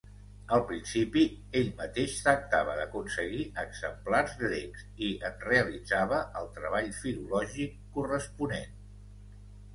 Al principi ell mateix tractava d'aconseguir exemplars grecs i en realitzava el treball filològic corresponent.